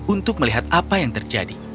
untuk melihat apa yang terjadi